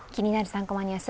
３コマニュース」